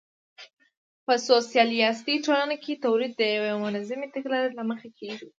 په سوسیالیستي ټولنو کې تولید د یوې منظمې تګلارې له مخې کېږي